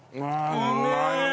うまいね！